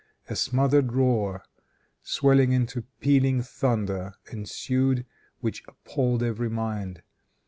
A smothered roar, swelling into pealing thunder ensued, which appalled every mind.